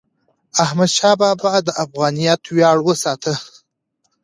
احمدشاه بابا د افغانیت ویاړ وساته.